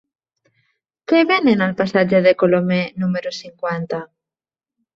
Què venen al passatge de Colomer número cinquanta?